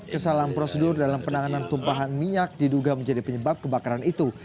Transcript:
kesalahan prosedur dalam penanganan tumpahan minyak diduga menjadi penyebab kebakaran itu